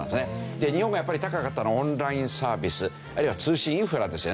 で日本がやっぱり高かったのはオンラインサービスあるいは通信インフラですよね。